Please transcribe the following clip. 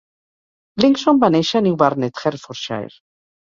Linkson va néixer a New Barnet, Hertfordshire.